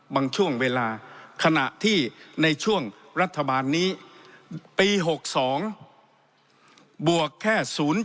ช่วงเวลาขณะที่ในช่วงรัฐบาลนี้ปี๖๒บวกแค่๐๘